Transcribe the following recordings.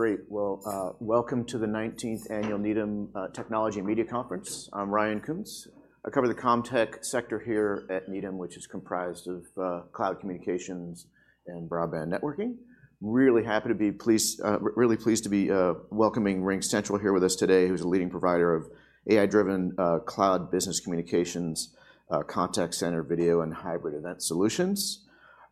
Great! Well, welcome to the 19th Annual Needham Technology and Media Conference. I'm Ryan Koontz. I cover the CommTech sector here at Needham, which is comprised of cloud communications and broadband networking. Really happy to be pleased, really pleased to be welcoming RingCentral here with us today, who's a leading provider of AI-driven cloud-based business communications, contact center, video, and hybrid event solutions.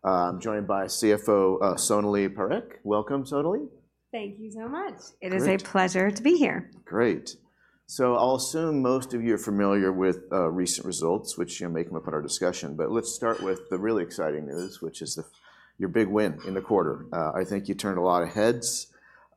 I'm joined by CFO Sonali Parekh. Welcome, Sonali. Thank you so much. Great. It is a pleasure to be here. Great. So I'll assume most of you are familiar with recent results, which, you know, may come up in our discussion. But let's start with the really exciting news, which is the your big win in the quarter. I think you turned a lot of heads.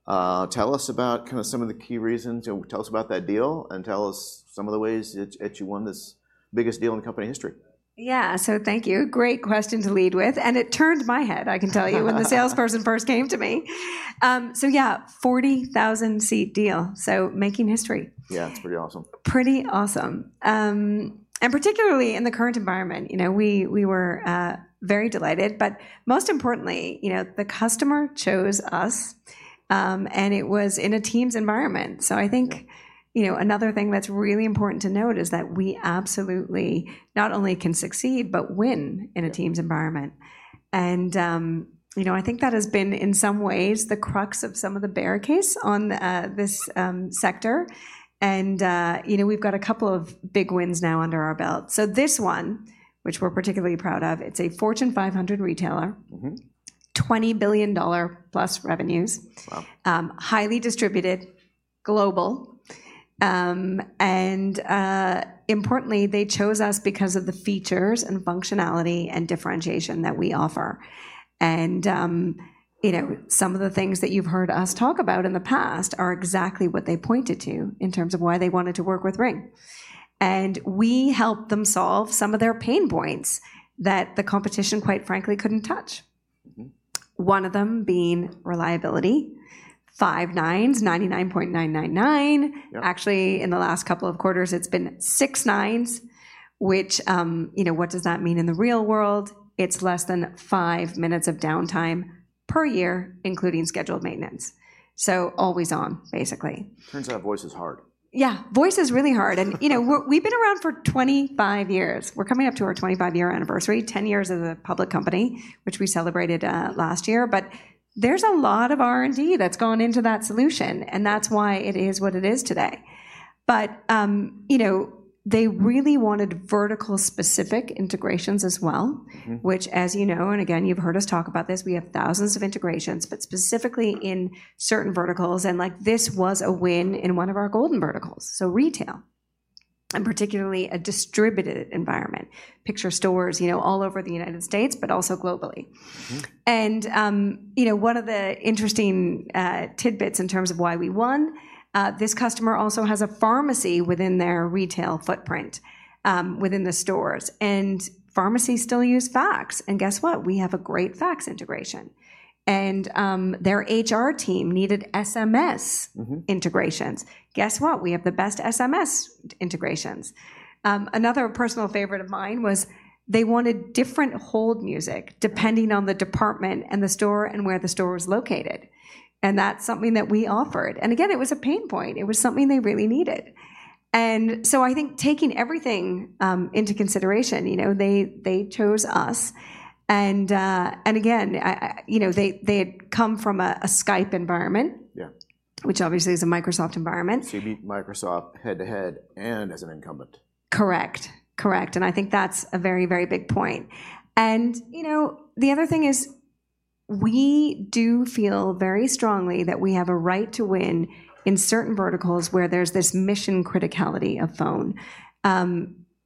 Tell us about kinda some of the key reasons, tell us about that deal, and tell us some of the ways that, that you won this biggest deal in the company history. Yeah. So thank you. Great question to lead with, and it turned my head—I can tell you, when the salesperson first came to me. So yeah, 40,000-seat deal, so making history. Yeah, it's pretty awesome. Pretty awesome. And particularly in the current environment, you know, we were very delighted. But most importantly, you know, the customer chose us, and it was in a Teams environment. Yeah. So I think, you know, another thing that's really important to note is that we absolutely not only can succeed, but win in a Teams environment. And, you know, I think that has been, in some ways, the crux of some of the bear case on this sector. And, you know, we've got a couple of big wins now under our belt. So this one, which we're particularly proud of, it's a Fortune 500 retailer- Mm-hmm... $20+ billion revenues- Wow... highly distributed, global. And, importantly, they chose us because of the features and functionality and differentiation that we offer. And, you know, some of the things that you've heard us talk about in the past are exactly what they pointed to in terms of why they wanted to work with Ring. And we helped them solve some of their pain points that the competition, quite frankly, couldn't touch. Mm-hmm. One of them being reliability, five nines, 99.999%. Yep. Actually, in the last couple of quarters, it's been six nines, which, you know, what does that mean in the real world? It's less than five minutes of downtime per year, including scheduled maintenance, so always on, basically. Turns out voice is hard. Yeah, voice is really hard. And, you know, we've been around for 25 years. We're coming up to our 25-year anniversary, 10 years as a public company, which we celebrated last year. But there's a lot of R&D that's gone into that solution, and that's why it is what it is today. But, you know, they really wanted vertical-specific integrations as well- Mm-hmm... which, as you know, and again, you've heard us talk about this, we have thousands of integrations, but specifically in certain verticals, and, like, this was a win in one of our golden verticals, so retail, and particularly a distributed environment. Picture stores, you know, all over the United States, but also globally. Mm-hmm. You know, one of the interesting tidbits in terms of why we won, this customer also has a pharmacy within their retail footprint, within the stores, and pharmacies still use fax. Their HR team needed SMS- Mm-hmm... integrations. Guess what? We have the best SMS integrations. Another personal favorite of mine was they wanted different hold music depending on the department, and the store, and where the store was located, and that's something that we offered. And again, it was a pain point. It was something they really needed. And so I think taking everything into consideration, you know, they chose us. And again, I, you know, they had come from a Skype environment- Yeah... which obviously is a Microsoft environment. So you beat Microsoft head-to-head and as an incumbent. Correct. Correct, and I think that's a very, very big point. And, you know, the other thing is, we do feel very strongly that we have a right to win in certain verticals where there's this mission criticality of phone.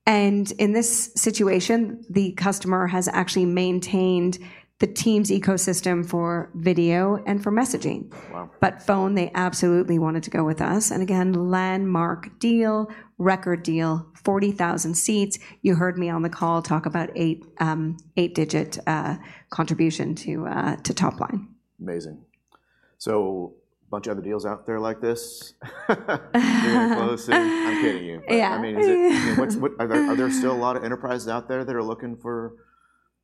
And in this situation, the customer has actually maintained the Teams ecosystem for video and for messaging. Wow. But phone, they absolutely wanted to go with us, and again, landmark deal, record deal, 40,000 seats. You heard me on the call talk about eight-digit contribution to top line. Amazing. So bunch of other deals out there like this? Closing? I'm kidding you. Yeah. But I mean, are there still a lot of enterprises out there that are looking for,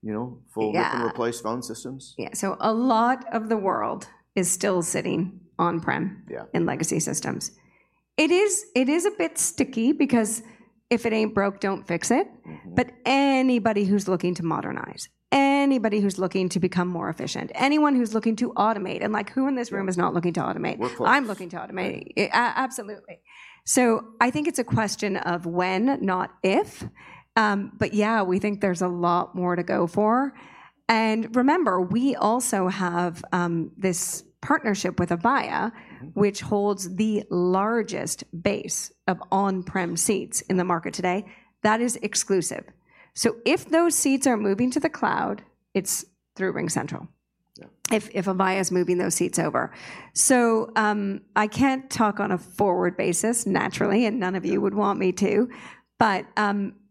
you know- Yeah... full lift-and-replace phone systems? Yeah, so a lot of the world is still sitting on-prem- Yeah... in legacy systems. It is, it is a bit sticky because if it ain't broke, don't fix it. Mm-hmm. Anybody who's looking to modernize, anybody who's looking to become more efficient, anyone who's looking to automate, and, like, who in this room- Yeah... is not looking to automate? Workforce. I'm looking to automate. Right. Absolutely. So I think it's a question of when, not if. But yeah, we think there's a lot more to go for. And remember, we also have this partnership with Avaya- Mm-hmm... which holds the largest base of on-prem seats in the market today. That is exclusive. So if those seats are moving to the cloud, it's through RingCentral- Yeah... if Avaya is moving those seats over. So, I can't talk on a forward basis, naturally, and none of you would want me to. But,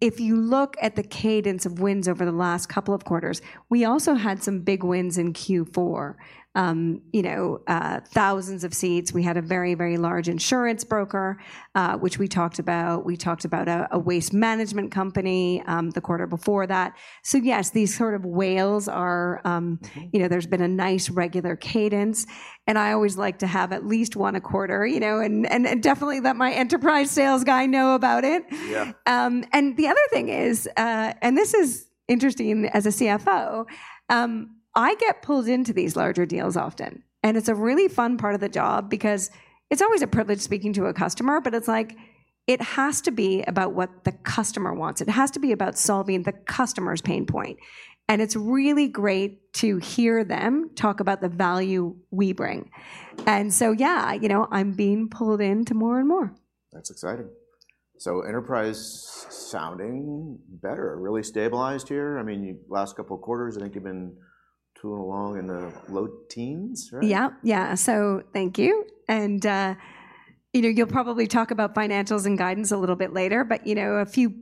if you look at the cadence of wins over the last couple of quarters, we also had some big wins in Q4. You know, thousands of seats. We had a very, very large insurance broker, which we talked about. We talked about a waste management company, the quarter before that. So yes, these sort of whales are- Mm-hmm. You know, there's been a nice regular cadence, and I always like to have at least one a quarter, you know, and definitely let my enterprise sales guy know about it. Yeah. And the other thing is, this is interesting as a CFO. I get pulled into these larger deals often, and it's a really fun part of the job because it's always a privilege speaking to a customer, but it's like, it has to be about what the customer wants. It has to be about solving the customer's pain point, and it's really great to hear them talk about the value we bring. And so, yeah, you know, I'm being pulled into more and more. That's exciting. So enterprise sounding better, really stabilized here. I mean, last couple of quarters, I think you've been tooling along in the low teens, right? Yeah. Yeah. So thank you, and, you know, you'll probably talk about financials and guidance a little bit later, but, you know, a few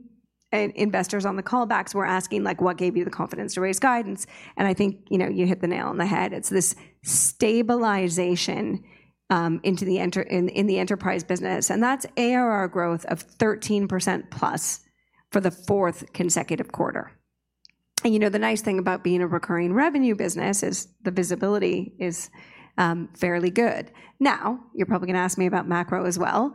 investors on the callbacks were asking like: What gave you the confidence to raise guidance? And I think, you know, you hit the nail on the head. It's this stabilization into the enterprise business, and that's ARR growth of 13% plus for the fourth consecutive quarter. And, you know, the nice thing about being a recurring revenue business is the visibility is fairly good. Now, you're probably gonna ask me about macro as well.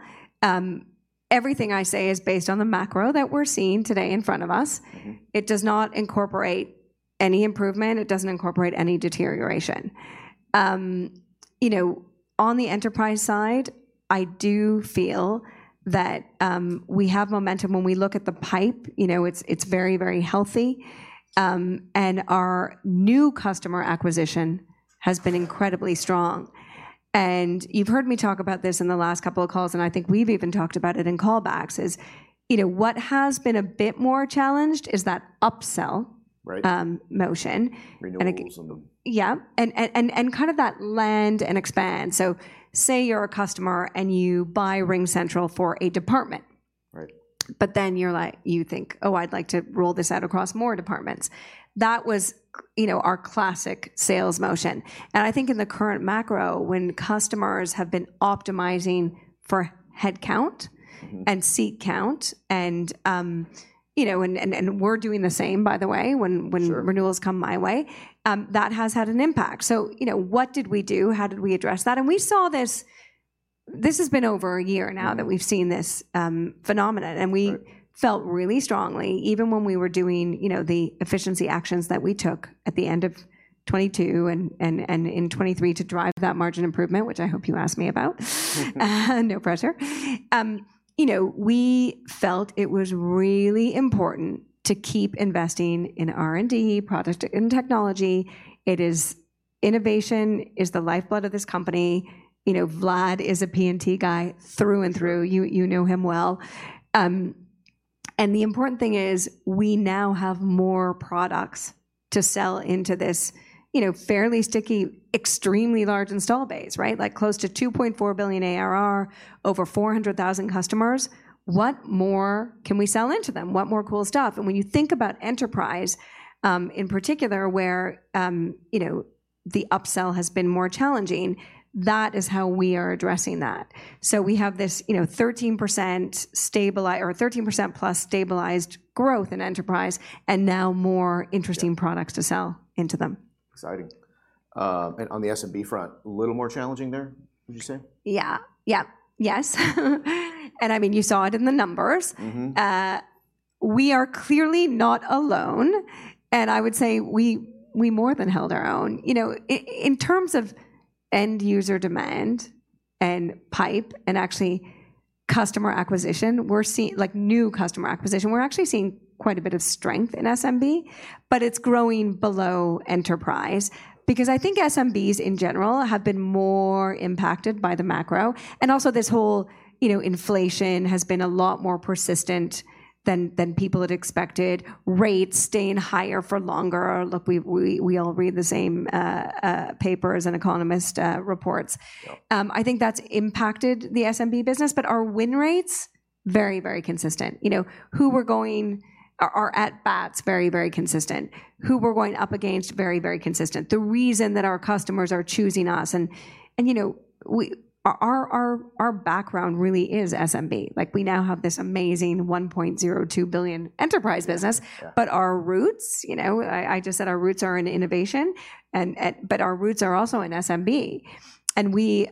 Everything I say is based on the macro that we're seeing today in front of us. Mm-hmm. It does not incorporate any improvement. It doesn't incorporate any deterioration. You know, on the enterprise side, I do feel that, we have momentum when we look at the pipe, you know, it's, it's very, very healthy. And our new customer acquisition has been incredibly strong. And you've heard me talk about this in the last couple of calls, and I think we've even talked about it in callbacks, is, you know, what has been a bit more challenged is that upsell- Right... motion. Renewals on the- Yeah, and kind of that land and expand. So say you're a customer and you buy RingCentral for a department. Right. But then you're like, you think, "Oh, I'd like to roll this out across more departments." That was, you know, our classic sales motion. And I think in the current macro, when customers have been optimizing for head count- Mm-hmm... and seat count, and, you know, and we're doing the same, by the way, when, when- Sure... renewals come my way, that has had an impact. So, you know, what did we do? How did we address that? And we saw this, this has been over a year now- Mm... that we've seen this, phenomenon. Right. We felt really strongly, even when we were doing, you know, the efficiency actions that we took at the end of 2022 and in 2023 to drive that margin improvement, which I hope you ask me about. Okay. No pressure. You know, we felt it was really important to keep investing in R&D, product, and technology. It is, innovation is the lifeblood of this company. You know, Vlad is a P&T guy through and through. You know him well. And the important thing is, we now have more products to sell into this, you know, fairly sticky, extremely large install base, right? Like close to $2.4 billion ARR, over 400,000 customers. What more can we sell into them? What more cool stuff? And when you think about enterprise, in particular, where, you know, the upsell has been more challenging, that is how we are addressing that. So we have this, you know, 13% plus stabilized growth in enterprise, and now more interesting- Yeah... products to sell into them. Exciting. And on the SMB front, a little more challenging there, would you say? Yeah. Yeah. Yes. And I mean, you saw it in the numbers. Mm-hmm. We are clearly not alone, and I would say we more than held our own. You know, in terms of end user demand and pipeline and actually customer acquisition, we're seeing, like, new customer acquisition, we're actually seeing quite a bit of strength in SMB, but it's growing below enterprise. Because I think SMBs in general have been more impacted by the macro, and also this whole, you know, inflation has been a lot more persistent than people had expected, rates staying higher for longer. Look, we all read the same papers and economic reports. Yeah. I think that's impacted the SMB business, but our win rates, very, very consistent. You know, who we're going... Our at bats, very, very consistent. Who we're going up against, very, very consistent. The reason that our customers are choosing us, and you know, our background really is SMB. Like, we now have this amazing $1.02 billion enterprise business- Yeah... but our roots, you know, I, I just said our roots are in innovation, and but our roots are also in SMB, and we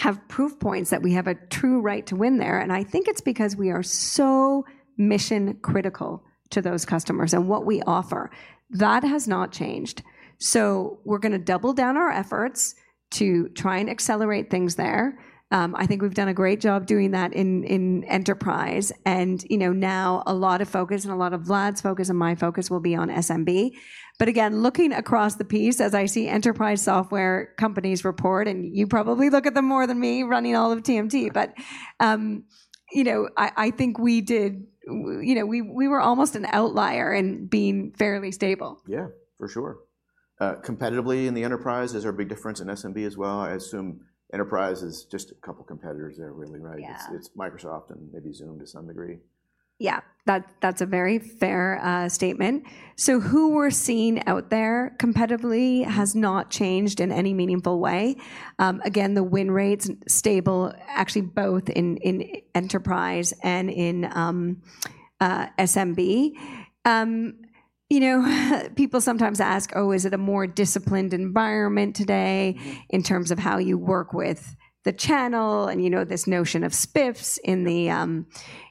have proof points that we have a true right to win there, and I think it's because we are so mission-critical to those customers and what we offer. That has not changed. So we're gonna double down our efforts to try and accelerate things there. I think we've done a great job doing that in enterprise, and, you know, now a lot of focus and a lot of Vlad's focus and my focus will be on SMB. But again, looking across the piece, as I see enterprise software companies report, and you probably look at them more than me, running all of TMT, but, you know, I, I think we did, you know, we, we were almost an outlier in being fairly stable. Yeah, for sure.... competitively in the enterprise, is there a big difference in SMB as well? I assume enterprise is just a couple competitors there, really, right? Yeah. It's Microsoft and maybe Zoom to some degree. Yeah, that, that's a very fair statement. So who we're seeing out there competitively has not changed in any meaningful way. Again, the win rates stable, actually both in enterprise and in SMB. You know, people sometimes ask, "Oh, is it a more disciplined environment today- Mm-hmm. in terms of how you work with the channel?" And, you know, this notion of spiffs in the,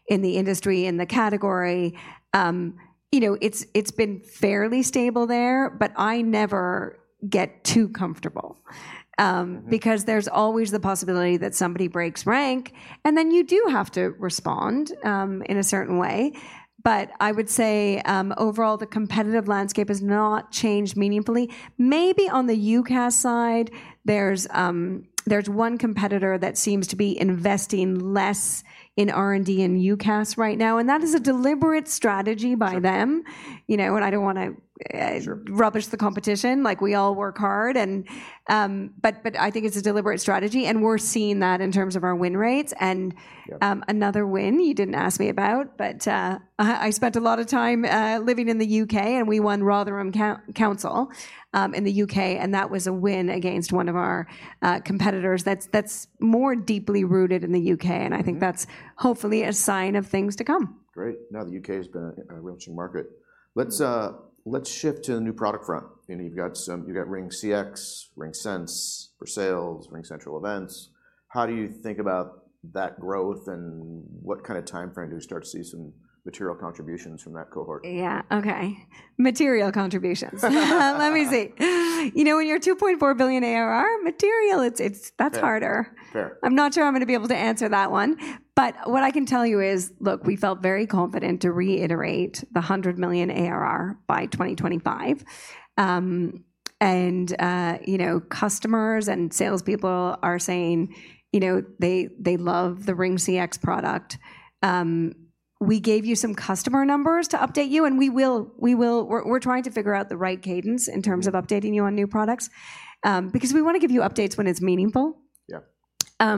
in the industry, in the category. You know, it's, it's been fairly stable there, but I never get too comfortable. Mm-hmm... because there's always the possibility that somebody breaks rank, and then you do have to respond, in a certain way. But I would say, overall, the competitive landscape has not changed meaningfully. Maybe on the UCaaS side, there's one competitor that seems to be investing less in R&D and UCaaS right now, and that is a deliberate strategy by them. Sure. You know, I don't wanna Sure... rubbish the competition, like, we all work hard, and but I think it's a deliberate strategy, and we're seeing that in terms of our win rates. And- Yeah... another win you didn't ask me about, but, I spent a lot of time living in the U.K., and we won Rotherham Council in the U.K., and that was a win against one of our competitors that's more deeply rooted in the U.K.. Mm-hmm. I think that's hopefully a sign of things to come. Great. Now, the U.K. has been a real changing market. Let's shift to the new product front, and you've got RingCX, RingSense for Sales, RingCentral Events. How do you think about that growth, and what kind of timeframe do we start to see some material contributions from that cohort? Yeah, okay. Material contributions. Let me see. You know, when you're $2.4 billion ARR, material, it's, it's... that's harder. Fair. Fair. I'm not sure I'm gonna be able to answer that one, but what I can tell you is, look, we felt very confident to reiterate the $100 million ARR by 2025. You know, customers and salespeople are saying, you know, they love the RingCX product. We gave you some customer numbers to update you, and we will. We're trying to figure out the right cadence in terms- Mm-hmm... of updating you on new products, because we wanna give you updates when it's meaningful. Yeah.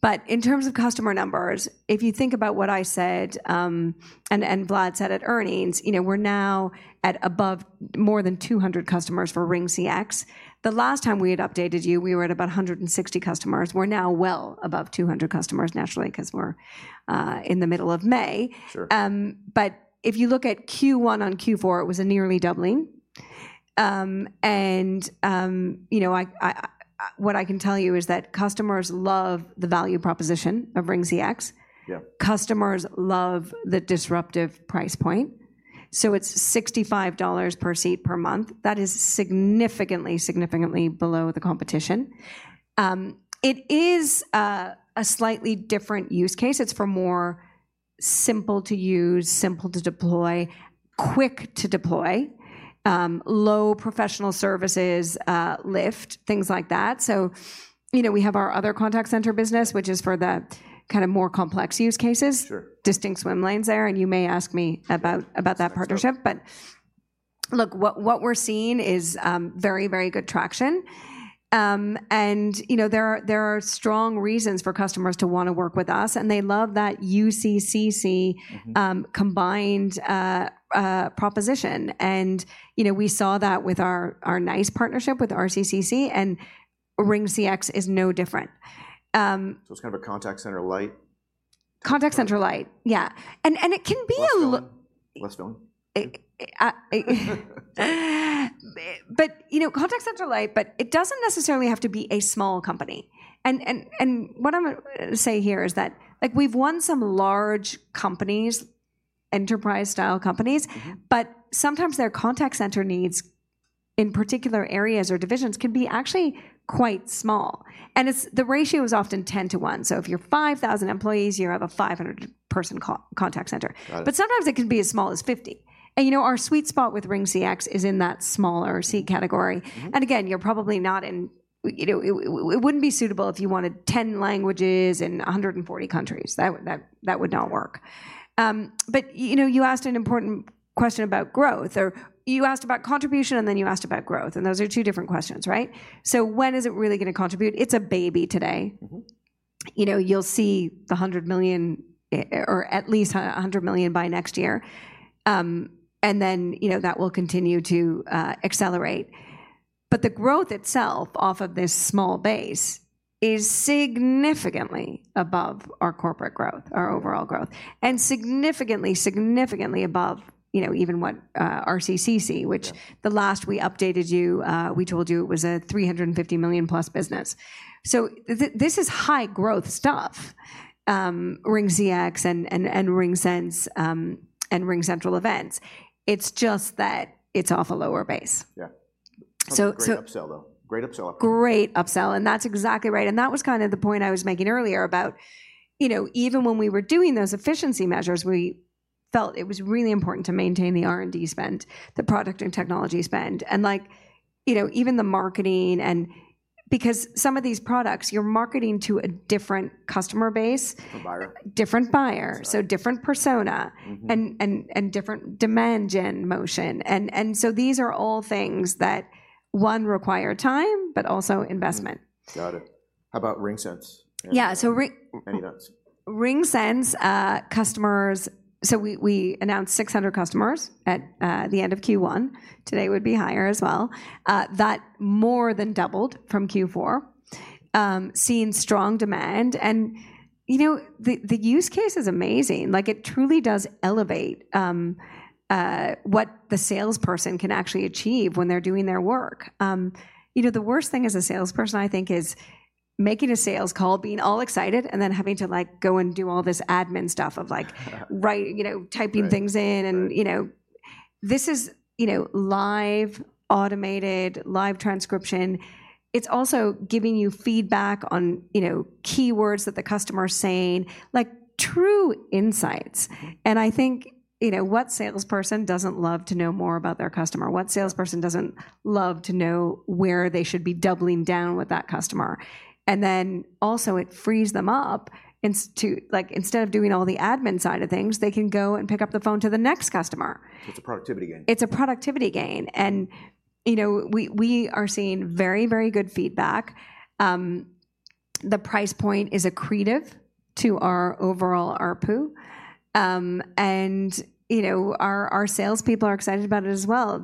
But in terms of customer numbers, if you think about what I said, and, and Vlad said at earnings, you know, we're now at above more than 200 customers for RingCX. The last time we had updated you, we were at about 160 customers. We're now well above 200 customers naturally, 'cause we're, in the middle of May. Sure. But if you look at Q1 on Q4, it was a nearly doubling. You know, what I can tell you is that customers love the value proposition of RingCX. Yeah. Customers love the disruptive price point, so it's $65 per seat per month. That is significantly, significantly below the competition. It is a slightly different use case. It's for more simple to use, simple to deploy, quick to deploy, low professional services, lift, things like that. So, you know, we have our other contact center business, which is for the kind of more complex use cases. Sure. Distinct swim lanes there, and you may ask me about that partnership. Let's go. Look, what we're seeing is very, very good traction. You know, there are strong reasons for customers to wanna work with us, and they love that UC+CC Mm-hmm... combined proposition. And, you know, we saw that with our NICE partnership with RCCC, and RingCX is no different. It's kind of a contact center lite? Contact center lite, yeah. And, and it can be a little- Less known? Less known. But, you know, contact center lite, but it doesn't necessarily have to be a small company. And what I'm gonna say here is that, like, we've won some large companies, enterprise-style companies- Mm-hmm... but sometimes their contact center needs, in particular areas or divisions, can be actually quite small. And it's the ratio is often 10 to one. So if you're 5,000 employees, you have a 500-person contact center. Got it. But sometimes it can be as small as 50. And, you know, our sweet spot with RingCX is in that smaller seat category. Mm-hmm. Again, you're probably not in... You know, it wouldn't be suitable if you wanted 10 languages in 140 countries. That would not work. But you know, you asked an important question about growth, or you asked about contribution, and then you asked about growth, and those are two different questions, right? So when is it really gonna contribute? It's a baby today. Mm-hmm. You know, you'll see the $100 million, or at least a $100 million by next year. And then, you know, that will continue to accelerate. But the growth itself, off of this small base, is significantly above our corporate growth, our overall growth, and significantly, significantly above, you know, even what, RCCC, which- Yeah... the last we updated you, we told you it was a $350 million+ business. So this is high growth stuff, RingCX and RingSense and RingCentral Events. It's just that it's off a lower base. Yeah. So, so- Great upsell, though. Great upsell. Great upsell, and that's exactly right, and that was kind of the point I was making earlier about, you know, even when we were doing those efficiency measures, we felt it was really important to maintain the R&D spend, the product and technology spend, and like, you know, even the marketing and... because some of these products, you're marketing to a different customer base. The buyer? Different buyer. That's right. So different persona- Mm-hmm. different demand gen motion. And so these are all things that one require time, but also investment. Mm. Got it. How about RingSense? Yeah, so Ring- Any notes? RingSense customers. So we announced 600 customers at the end of Q1. Today would be higher as well. That more than doubled from Q4. Seeing strong demand, and you know, the use case is amazing. Like, it truly does elevate what the salesperson can actually achieve when they're doing their work. You know, the worst thing as a salesperson, I think, is making a sales call, being all excited, and then having to, like, go and do all this admin stuff of like- Yeah... writing, you know, typing things in- Right... and, you know, this is, you know, live, automated, live transcription. It's also giving you feedback on, you know, keywords that the customer is saying, like, true insights. And I think, you know, what salesperson doesn't love to know more about their customer? What salesperson doesn't love to know where they should be doubling down with that customer? And then, also, it frees them up to, like, instead of doing all the admin side of things, they can go and pick up the phone to the next customer. It's a productivity gain. It's a productivity gain, and, you know, we are seeing very, very good feedback. The price point is accretive to our overall ARPU. And, you know, our salespeople are excited about it as well.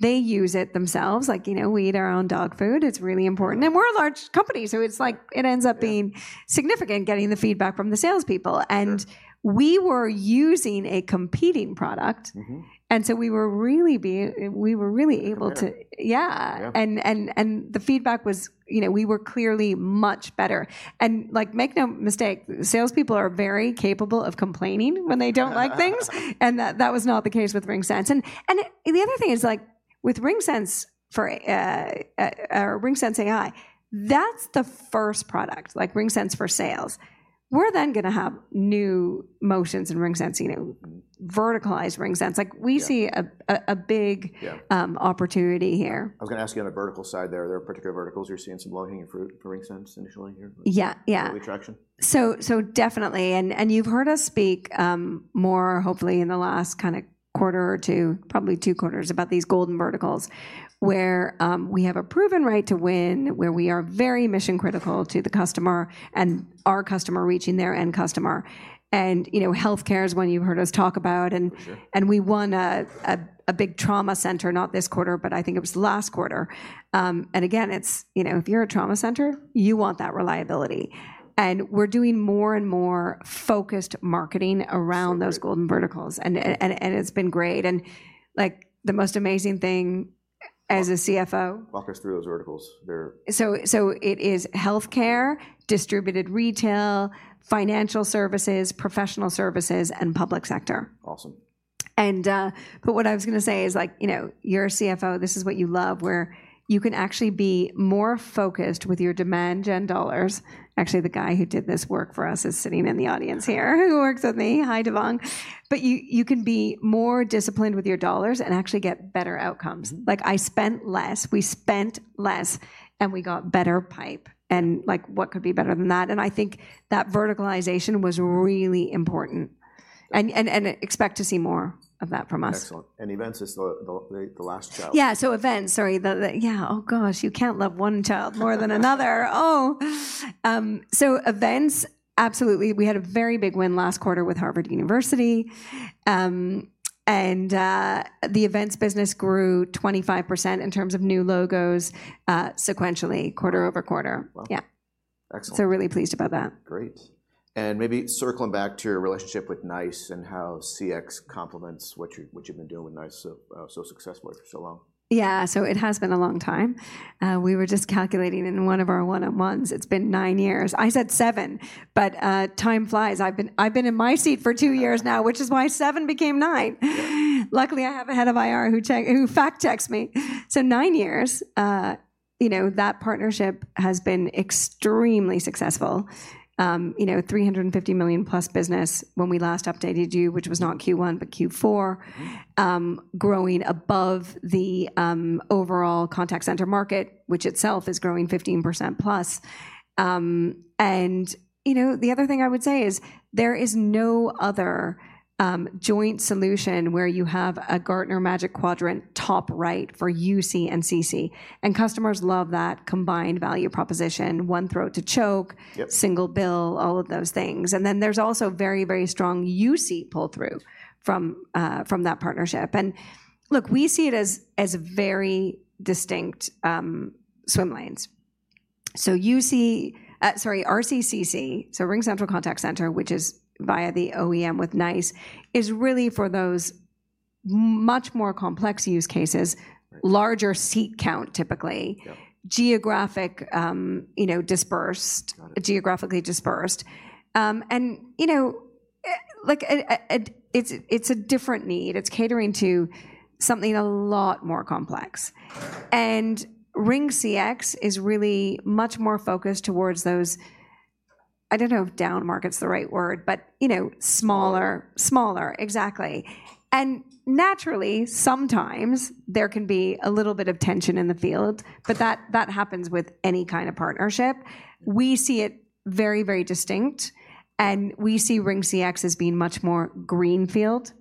They use it themselves. Like, you know, we eat our own dog food. It's really important. And we're a large company, so it's like it ends up being- Yeah... significant getting the feedback from the salespeople. Sure. We were using a competing product- Mm-hmm... and so we were really able to- Competitor. Yeah. Yeah. And the feedback was, you know, we were clearly much better. And, like, make no mistake, salespeople are very capable of complaining when they don't like things. And that was not the case with RingSense. And the other thing is, like, with RingSense for RingSense AI, that's the first product, like RingSense for sales. We're then gonna have new motions in RingSense, you know, verticalize RingSense. Like- Yeah... we see a big- Yeah... opportunity here. I was gonna ask you on the vertical side there, are there particular verticals you're seeing some low-hanging fruit for RingSense initially here? Yeah, yeah. Early traction? So definitely, and you've heard us speak, more hopefully in the last kinda quarter or two, probably two quarters, about these golden verticals, where we have a proven right to win, where we are very mission-critical to the customer, and our customer reaching their end customer. And, you know, healthcare is one you've heard us talk about, and- Sure... and we won a big trauma center, not this quarter, but I think it was last quarter. And again, it's, you know, if you're a trauma center, you want that reliability. And we're doing more and more focused marketing around- So great... those golden verticals, and it's been great. Like, the most amazing thing as a CFO- Walk us through those verticals. They're- So, it is healthcare, distributed retail, financial services, professional services, and public sector. Awesome. But what I was gonna say is, like, you know, you're a CFO, this is what you love, where you can actually be more focused with your demand gen dollars. Actually, the guy who did this work for us is sitting in the audience here, who works with me. Hi, Devang. But you, you can be more disciplined with your dollars and actually get better outcomes. Like, I spent less, we spent less, and we got better pipe, and, like, what could be better than that? And I think that verticalization was really important, and expect to see more of that from us. Excellent. And Events is the last child. Yeah, so events, sorry. Yeah. Oh, gosh, you can't love one child more than another. Oh! So events, absolutely. We had a very big win last quarter with Harvard University. And the events business grew 25% in terms of new logos, sequentially, quarter-over-quarter. Wow. Yeah. Excellent. Really pleased about that. Great. And maybe circling back to your relationship with NICE and how CX complements what you, what you've been doing with NICE, so successfully for so long? Yeah. So it has been a long time. We were just calculating in one of our one-on-ones, it's been nine years. I said seven, but time flies. I've been in my seat for two years now, which is why seven became nine. Luckily, I have a head of IR who fact-checks me. So nine years, you know, that partnership has been extremely successful. You know, $350 million+ business when we last updated you, which was not Q1, but Q4. Growing above the overall contact center market, which itself is growing 15%+. And, you know, the other thing I would say is there is no other joint solution where you have a Gartner Magic Quadrant top right for UC and CC, and customers love that combined value proposition, one throat to choke- Yep... single bill, all of those things. And then there's also very, very strong UC pull-through from that partnership. And look, we see it as very distinct swim lanes. So UC, sorry, RCCC, so RingCentral Contact Center, which is via the OEM with NICE, is really for those much more complex use cases- Right... larger seat count, typically. Yep. Geographic, you know, dispersed- Got it... geographically dispersed. You know, like, it's a different need. It's catering to something a lot more complex. Right. RingCX is really much more focused towards those-... I don't know if down market's the right word, but, you know, smaller. Smaller. Smaller, exactly. And naturally, sometimes there can be a little bit of tension in the field, but that happens with any kind of partnership. We see it very, very distinct, and we see RingCX as being much more greenfield.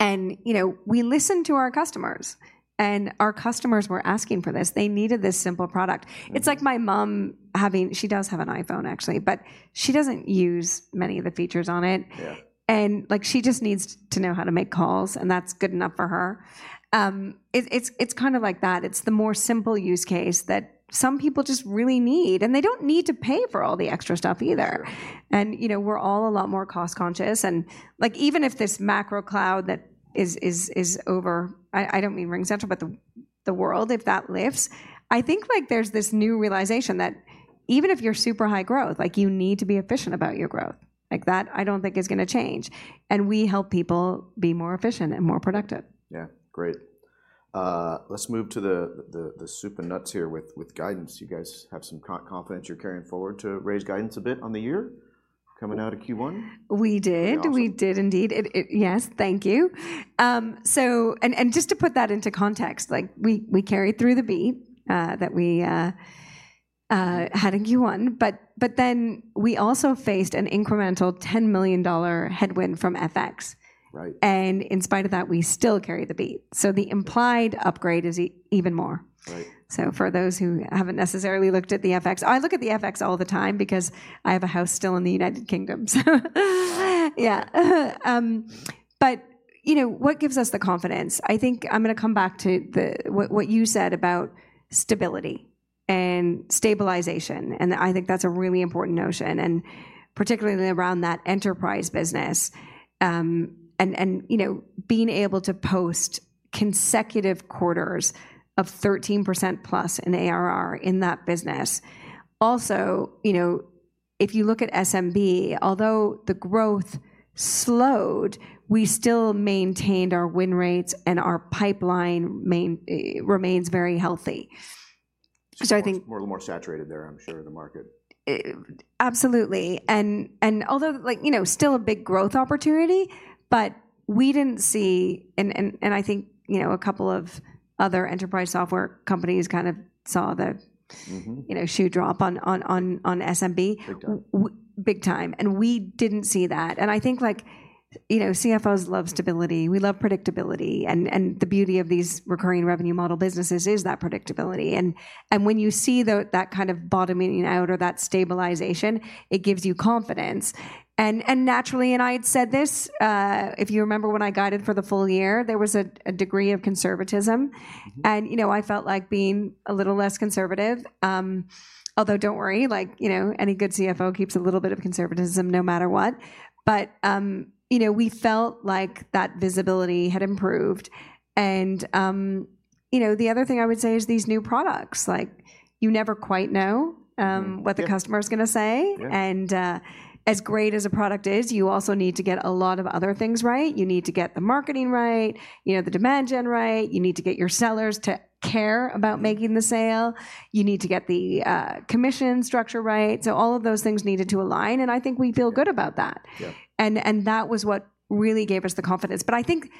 And, you know, we listen to our customers, and our customers were asking for this. They needed this simple product. Mm-hmm. It's like my mom having-- she does have an iPhone, actually, but she doesn't use many of the features on it. Yeah. Like, she just needs to know how to make calls, and that's good enough for her. It's kind of like that. It's the more simple use case that some people just really need, and they don't need to pay for all the extra stuff either. Sure. You know, we're all a lot more cost-conscious. And, like, even if this macro cloud that is over, I don't mean RingCentral, but the world, if that lifts, I think, like, there's this new realization that even if you're super high growth, like, you need to be efficient about your growth. Like, that I don't think is gonna change, and we help people be more efficient and more productive. Yeah, great. Let's move to the soup and nuts here with guidance. You guys have some confidence you're carrying forward to raise guidance a bit on the year coming out of Q1? We did. Pretty awesome. We did indeed. Yes, thank you. So, and just to put that into context, like, we carried through the beat that we had in Q1, but then we also faced an incremental $10 million headwind from FX. Right. In spite of that, we still carried the beat, so the implied upgrade is even more. Right. For those who haven't necessarily looked at the FX, I look at the FX all the time because I have a house still in the United Kingdom, so. Yeah. Yeah, but, you know, what gives us the confidence? I think I'm gonna come back to the, what, what you said about stability and stabilization, and I think that's a really important notion, and particularly around that enterprise business. And, you know, being able to post consecutive quarters of 13%+ in ARR in that business. Also, you know, if you look at SMB, although the growth slowed, we still maintained our win rates, and our pipeline main remains very healthy. So I think- More saturated there, I'm sure, the market. Absolutely. And although, like, you know, still a big growth opportunity, but we didn't see... And I think, you know, a couple of other enterprise software companies kind of saw the- Mm-hmm... you know, shoe drop on SMB. Big time. big time, and we didn't see that. I think, like, you know, CFOs love stability. We love predictability, and the beauty of these recurring revenue model businesses is that predictability. When you see that kind of bottoming out or that stabilization, it gives you confidence. Naturally, I had said this if you remember when I guided for the full year; there was a degree of conservatism. Mm-hmm. You know, I felt like being a little less conservative. Although don't worry, like, you know, any good CFO keeps a little bit of conservatism no matter what. But, you know, we felt like that visibility had improved. And, you know, the other thing I would say is these new products, like, you never quite know. Mm-hmm. Yeah... what the customer's gonna say. Yeah. As great as a product is, you also need to get a lot of other things right. You need to get the marketing right, you know, the demand gen right. You need to get your sellers to care about making the sale. Yeah. You need to get the commission structure right. So all of those things needed to align, and I think we feel good about that. Yeah. And that was what really gave us the confidence. But I think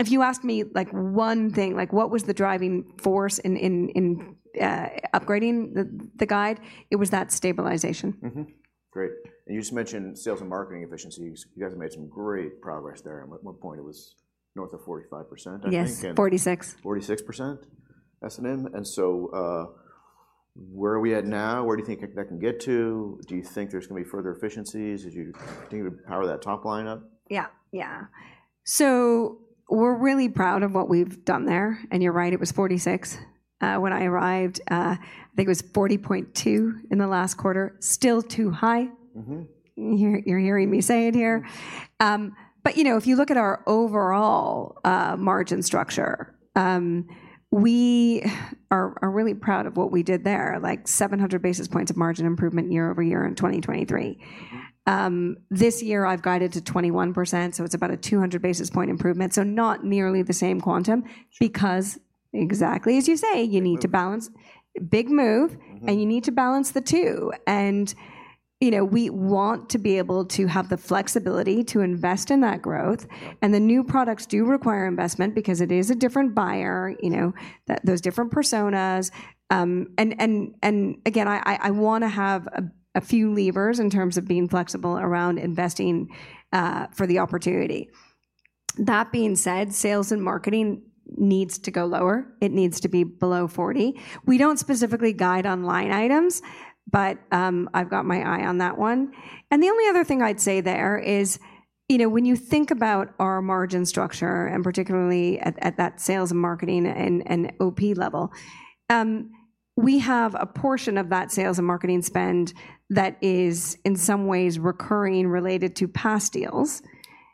if you asked me, like, one thing, like, what was the driving force in upgrading the guide, it was that stabilization. Mm-hmm. Great. You just mentioned sales and marketing efficiencies. You guys have made some great progress there, and at one point, it was north of 45%, I think. Yes, 46. 46% SMB, and so, where are we at now? Where do you think that can get to? Do you think there's gonna be further efficiencies as you continue to power that top line up? Yeah, yeah. So we're really proud of what we've done there, and you're right, it was 46. When I arrived, I think it was 40.2 in the last quarter, still too high. Mm-hmm. You're hearing me say it here. Mm. But, you know, if you look at our overall margin structure, we are really proud of what we did there, like 700 basis points of margin improvement year-over-year in 2023. Mm-hmm. This year I've guided to 21%, so it's about a 200 basis point improvement, so not nearly the same quantum- Sure... because, exactly as you say- Big move... you need to balance. Big move- Mm-hmm... and you need to balance the two. You know, we want to be able to have the flexibility to invest in that growth. Yeah. The new products do require investment because it is a different buyer, you know, that those different personas. And again, I wanna have a few levers in terms of being flexible around investing for the opportunity. That being said, sales and marketing needs to go lower. It needs to be below 40. We don't specifically guide on line items, but I've got my eye on that one. And the only other thing I'd say there is, you know, when you think about our margin structure, and particularly at that sales and marketing and OP level, we have a portion of that sales and marketing spend that is in some ways recurring and related to past deals.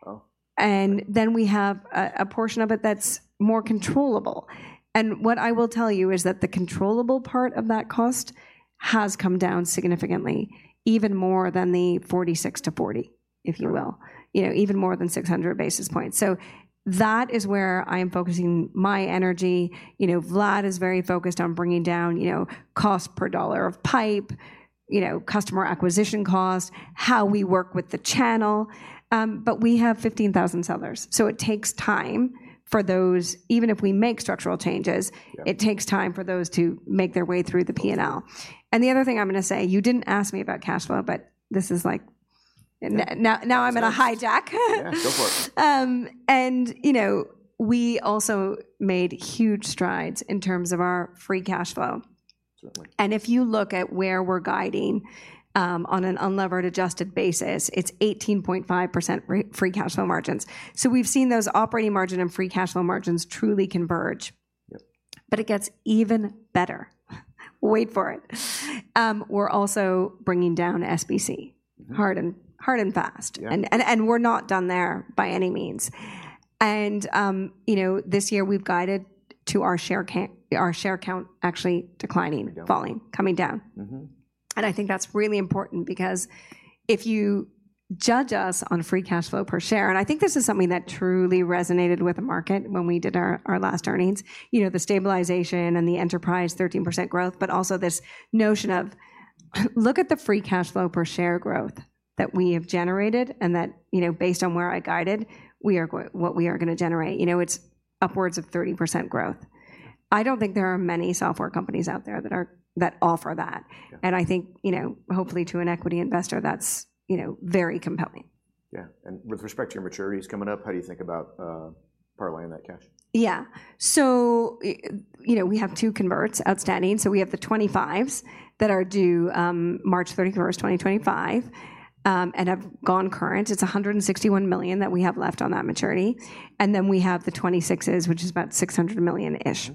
Oh. And then we have a portion of it that's more controllable. And what I will tell you is that the controllable part of that cost has come down significantly, even more than the 46 to 40.... if you will, you know, even more than 600 basis points. So that is where I am focusing my energy. You know, Vlad is very focused on bringing down, you know, cost per dollar of pipe, you know, customer acquisition costs, how we work with the channel. But we have 15,000 sellers, so it takes time for those - even if we make structural changes- Yeah... it takes time for those to make their way through the P&L. And the other thing I'm gonna say, you didn't ask me about cash flow, but this is like- Yeah. Now, now I'm gonna hijack. Yeah, go for it. You know, we also made huge strides in terms of our free cash flow. Certainly. If you look at where we're guiding, on an unlevered adjusted basis, it's 18.5% free cash flow margins. We've seen those operating margin and free cash flow margins truly converge. Yep. But it gets even better. Wait for it. We're also bringing down SBC- Mm-hmm... hard and fast. Yeah. And we're not done there by any means. And, you know, this year we've guided to our share count, our share count actually declining- Coming down... falling, coming down. Mm-hmm. I think that's really important because if you judge us on free cash flow per share, and I think this is something that truly resonated with the market when we did our last earnings, you know, the stabilization and the enterprise 13% growth, but also this notion of: look at the free cash flow per share growth that we have generated, and that, you know, based on where I guided, we are gonna generate. You know, it's upwards of 30% growth. I don't think there are many software companies out there that offer that. Yeah. I think, you know, hopefully to an equity investor, that's, you know, very compelling. Yeah. With respect to your maturities coming up, how do you think about parlaying that cash? Yeah. So you know, we have two converts outstanding. So we have the 25s that are due March 31st, 2025, and have gone current. It's $161 million that we have left on that maturity. And then we have the 26s, which is about $600 million-ish.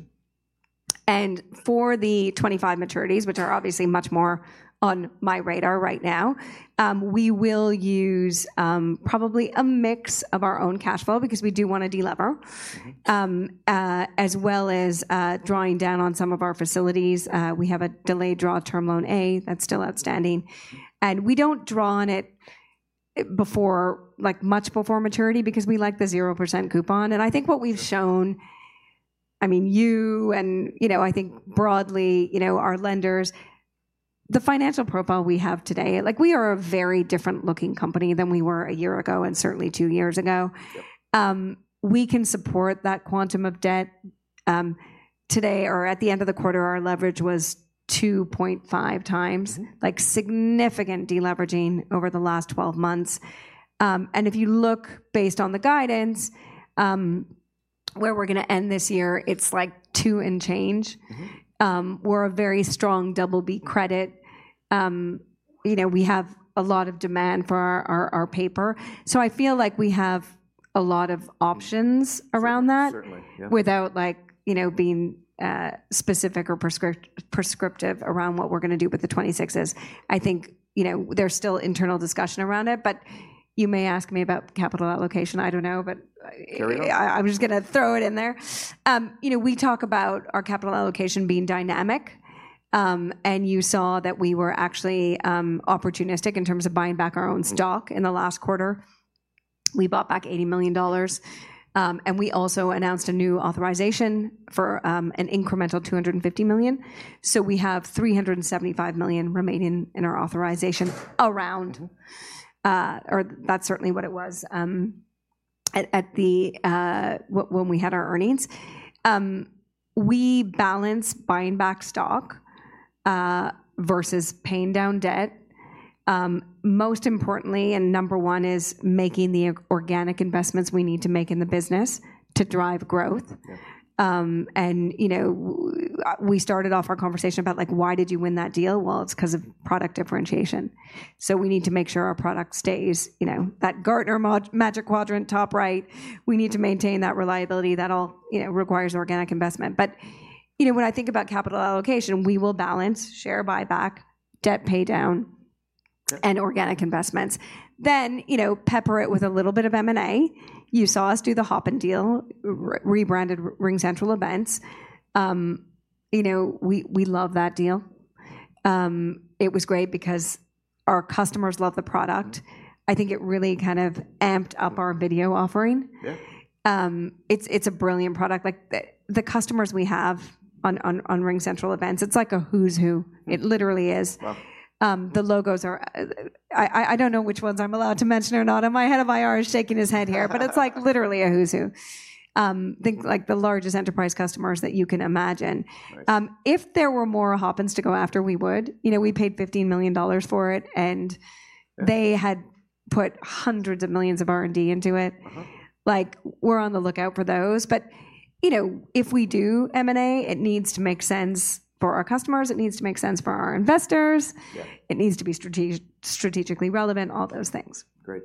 And for the 2025 maturities, which are obviously much more on my radar right now, we will use probably a mix of our own cash flow, because we do wanna delever- Mm-hmm... as well as drawing down on some of our facilities. We have a delayed draw Term Loan A that's still outstanding, and we don't draw on it before, like, much before maturity because we like the 0% coupon. And I think what we've shown, I mean, you and, you know, I think broadly, you know, our lenders, the financial profile we have today, like, we are a very different-looking company than we were a year ago and certainly two years ago. Yep. We can support that quantum of debt. Today, or at the end of the quarter, our leverage was 2.5x. Mm-hmm. Like, significant deleveraging over the last 12 months. And if you look based on the guidance, where we're gonna end this year, it's, like, two and change. Mm-hmm. We're a very strong double B credit. You know, we have a lot of demand for our, our, our paper, so I feel like we have a lot of options around that- Certainly, yeah... without like, you know, being specific or prescriptive around what we're gonna do with the 26s. I think, you know, there's still internal discussion around it, but you may ask me about capital allocation, I don't know, but- Carry on... I'm just gonna throw it in there. You know, we talk about our capital allocation being dynamic. You saw that we were actually opportunistic in terms of buying back our own stock- Mm... in the last quarter. We bought back $80 million. And we also announced a new authorization for an incremental $250 million. So we have $375 million remaining in our authorization around, or that's certainly what it was, at the... When we had our earnings. We balanced buying back stock versus paying down debt. Most importantly, and number one, is making the organic investments we need to make in the business to drive growth. Yeah. And, you know, we started off our conversation about, like, why did you win that deal? Well, it's 'cause of product differentiation. So we need to make sure our product stays, you know, that Gartner Magic Quadrant top right, we need to maintain that reliability. That all, you know, requires organic investment. But, you know, when I think about capital allocation, we will balance share buyback, debt paydown. Yeah... and organic investments. Then, you know, pepper it with a little bit of M&A. You saw us do the Hopin deal, rebranded RingCentral Events. You know, we love that deal. It was great because our customers love the product. Mm. I think it really kind of amped up our video offering. Yeah. It's a brilliant product. Like, the customers we have on RingCentral Events, it's like a who's who. Mm. It literally is. Wow! The logos are... I don't know which ones I'm allowed to mention or not, and my head of IR is shaking his head here-... but it's, like, literally a who's who. Think, like, the largest enterprise customers that you can imagine. Right. If there were more Hopins to go after, we would. You know, we paid $15 million for it, and- Yeah... they had put hundreds of millions of R&D into it. Uh-huh. Like, we're on the lookout for those. But, you know, if we do M&A, it needs to make sense for our customers, it needs to make sense for our investors- Yeah... it needs to be strategically relevant, all those things. Great.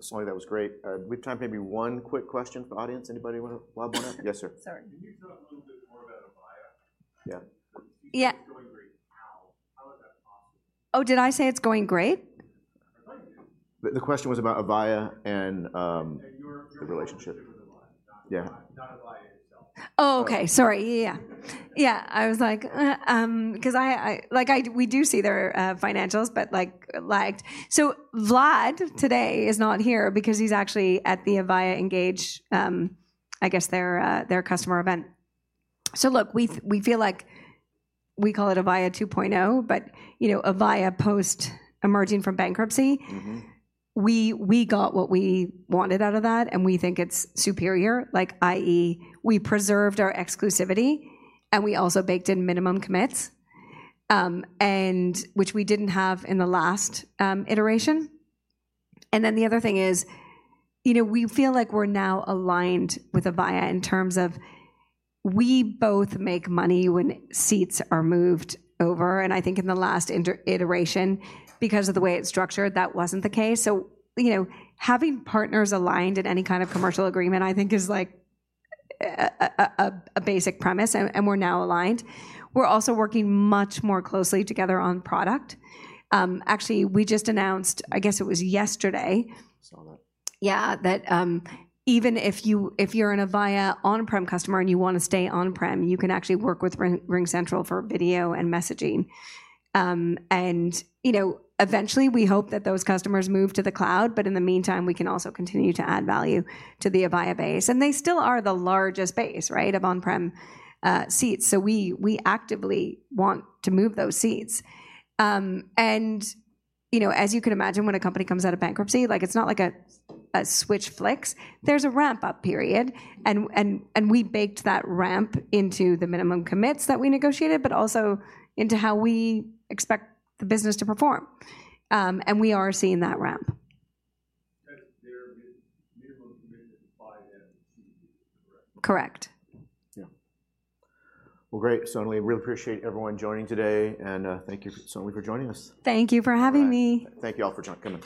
Sonali, that was great. We have time for maybe one quick question from the audience. Anybody wanna lob one up? Yes, sir. Sorry. Can you talk a little bit more about Avaya? Yeah. Yeah. It's going great. How? How is that possible? Oh, did I say it's going great? I think you did. The question was about Avaya and, And your The relationship relationship with Avaya. Yeah. Not Avaya. ... Oh, okay. Sorry. Yeah, yeah. Yeah, I was like, 'cause I, I, like, we do see their financials, but like, like... So Vlad today is not here because he's actually at the Avaya Engage, I guess, their their customer event. So look, we feel like we call it Avaya 2.0, but, you know, Avaya post emerging from bankruptcy- Mm-hmm. We got what we wanted out of that, and we think it's superior. Like, i.e., we preserved our exclusivity, and we also baked in minimum commits, and which we didn't have in the last iteration. And then the other thing is, you know, we feel like we're now aligned with Avaya in terms of we both make money when seats are moved over, and I think in the last iteration, because of the way it's structured, that wasn't the case. So, you know, having partners aligned in any kind of commercial agreement, I think is like a basic premise, and we're now aligned. We're also working much more closely together on product. Actually, we just announced, I guess it was yesterday- Saw that. Yeah, that even if you're an Avaya on-prem customer, and you wanna stay on-prem, you can actually work with RingCentral for video and messaging. And, you know, eventually, we hope that those customers move to the cloud, but in the meantime, we can also continue to add value to the Avaya base. And they still are the largest base, right, of on-prem seats. So we actively want to move those seats. And, you know, as you can imagine, when a company comes out of bankruptcy, like it's not like a switch flicks. There's a ramp-up period, and we baked that ramp into the minimum commits that we negotiated, but also into how we expect the business to perform. And we are seeing that ramp. That their minimum commitment by them, correct? Correct. Yeah. Well, great, Sonali. Really appreciate everyone joining today, and thank you, Sonali, for joining us. Thank you for having me. Thank you all for joining.